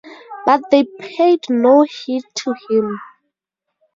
But they paid no heed to him.